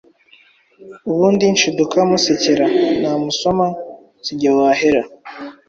ubundi nshiduka musekera namusoma... Si nge wahera...!